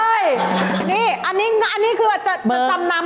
โอ้ยนี่อันนี้คือว่า